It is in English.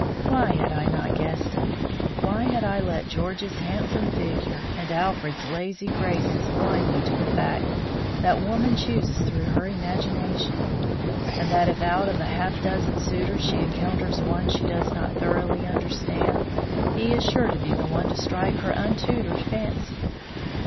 Why had I not guessed it? Why had I let George's handsome figure and Alfred's lazy graces blind me to the fact that woman chooses through her imagination; and that if out of a half dozen suitors she encounters one she does not thoroughly understand, he is sure to be the one to strike her untutored fancy.